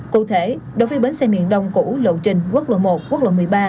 cụ thể đối với bến xe miền đông củ lộ trình quốc lộ một quốc lộ một mươi ba